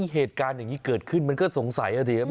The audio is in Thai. เหตุการณ์อย่างนี้เกิดขึ้นมันก็สงสัยอ่ะสิ